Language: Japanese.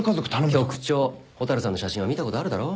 局長蛍さんの写真は見たことあるだろ。